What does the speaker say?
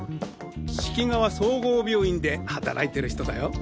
四季川総合病院で働いてる人だよ。